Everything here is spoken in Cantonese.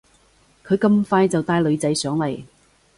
佢咁快就帶女仔上嚟